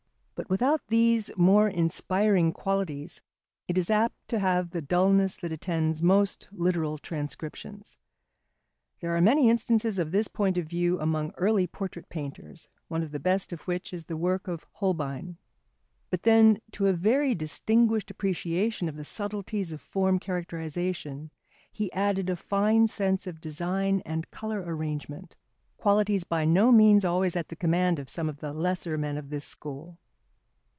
But without these more inspiring qualities it is apt to have the dulness that attends most literal transcriptions. There are many instances of this point of view among early portrait painters, one of the best of which is the work of Holbein. But then, to a very distinguished appreciation of the subtleties of form characterisation he added a fine sense of design and colour arrangement, qualities by no means always at the command of some of the lesser men of this school.